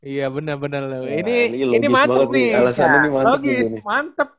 iya bener bener ini mantep nih logis banget nih kalah sama ini mantep nih